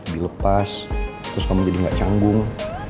dilepas terus kamu jadi nggak canggung